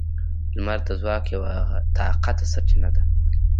• لمر د ځواک یوه طاقته سرچینه ده.